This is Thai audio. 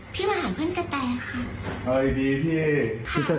พี่ไม่ได้เข้าไปเป็นจริงค่ะ